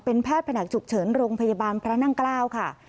แพทย์แผนกฉุกเฉินโรงพยาบาลพระนั่งเกล้าค่ะ